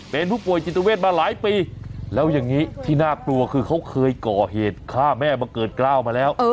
เป็นผู้ป่วยจิตเวทมาหลายปีแล้วอย่างนี้ที่น่ากลัวคือเขาเคยก่อเหตุฆ่าแม่บังเกิดกล้าวมาแล้ว